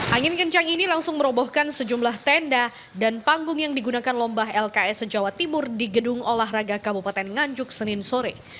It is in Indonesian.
angin kencang ini langsung merobohkan sejumlah tenda dan panggung yang digunakan lomba lks jawa timur di gedung olahraga kabupaten nganjuk senin sore